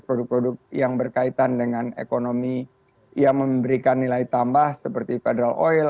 produk produk yang berkaitan dengan ekonomi yang memberikan nilai tambah seperti federal oil